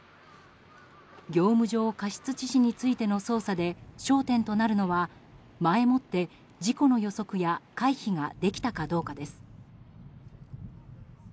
業務上過失致死についての捜査で焦点となるのは前もって事故の予測や回避ができたかどうかです。